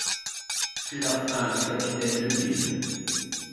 C'est la fin du capitaine Neuville.